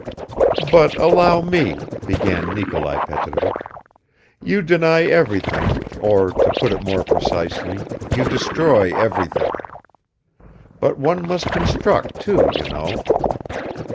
"But allow me," began Nikolai Petrovich. "You deny everything, or to put it more precisely, you destroy everything ... But one must construct, too, you know."